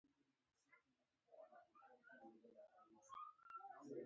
نه به سلطان محمد خان وي او نه سره اوښان وي.